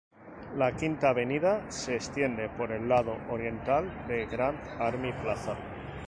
La Quinta Avenida se extiende por el lado oriental de la Grand Army Plaza.